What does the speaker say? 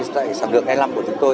thì sản lượng e năm của chúng tôi